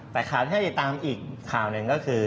แต่ข่าวที่ให้ติดตามอีกข่าวหนึ่งก็คือ